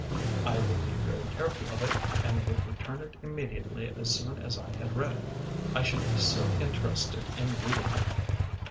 "I would be very careful of it, and would return it immediately as soon as I had read it. I should be so interested in reading it."